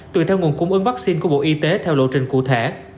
tùy theo nguồn cung ứng vaccine của bộ y tế theo lộ trình cụ thể